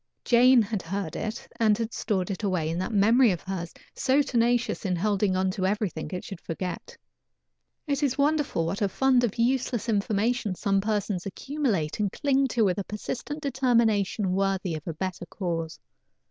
Jane had heard it, and had stored it away in that memory of hers, so tenacious in holding to everything it should forget. It is wonderful what a fund of useless information some persons accumulate and cling to with a persistent determination worthy of a better cause.